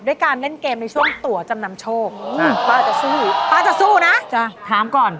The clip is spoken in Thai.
การเล่นเกมในช่วงตัวจำนำโชคป้าจะสู้ป้าจะสู้นะจ้ะถามก่อน